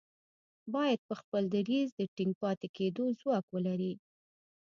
بايد پر خپل دريځ د ټينګ پاتې کېدو ځواک ولري.